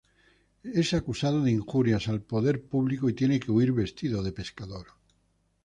Es acusado de injurias al poder público y tiene que huir vestido de pescador.